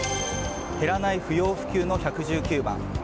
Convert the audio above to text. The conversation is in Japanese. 減らない不要不急の１１９番。